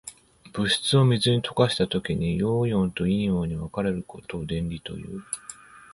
物質を水に溶かしたときに、陽イオンと陰イオンに分かれることを電離という。